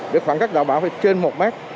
để khoảng cách đảm bảo phải trên một mét